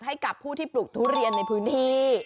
ให้กับผู้ที่ปลูกทุเรียนในพื้นที่